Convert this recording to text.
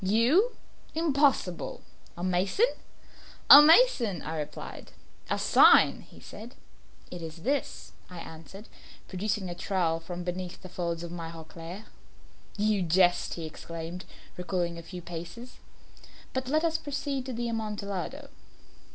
"You? Impossible! A mason?" "A mason," I replied. "A sign," he said, "a sign." "It is this," I answered, producing a trowel from beneath the folds of my roquelaire. "You jest," he exclaimed, recoiling a few paces. "But let us proceed to the Amontillado."